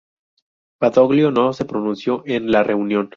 Badoglio no se pronunció en la reunión.